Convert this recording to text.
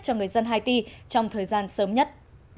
cho người dân haiti trong thời gian sớm nhất